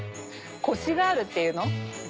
コシがあるっていうの？